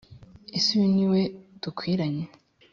ese uyu ni we dukwiranye